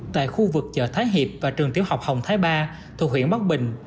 tại khu vực chợ thái hiệp và trường tiểu học hồng thái ba thuộc huyện bắc bình